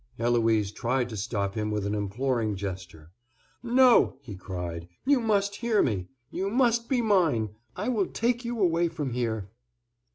Eloise tried to stop him with an imploring gesture. "No," he cried, "you must hear me! you must be mine! I will take you away from here."